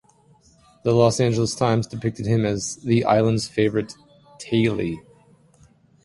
"The Los Angeles Times" depicted him as "the island's favorite 'tailie'".